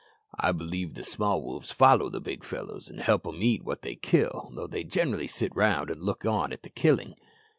"I believe the small wolves follow the big fellows, and help them to eat what they kill, though they generally sit round and look on at the killing."